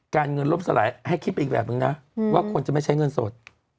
เงินลบสลายให้คิดไปอีกแบบนึงนะว่าคนจะไม่ใช้เงินสด